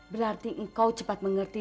berarti engkau cepat mengerti